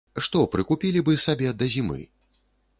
Што прыкупілі бы сабе да зімы?